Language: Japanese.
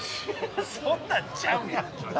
そんなんちゃうやんって。